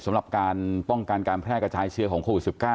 สำหรับการป้องกันการแพร่กระจายเชื้อของโควิด๑๙